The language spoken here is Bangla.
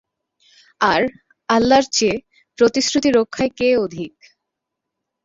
আর আল্লাহর চেয়ে প্রতিশ্রুতি রক্ষায় কে অধিক?